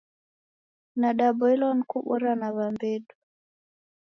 Nadaboilwa ni kubora na. w'ambedu